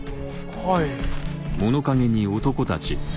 はい。